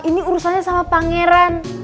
ini urusannya dengan pangeran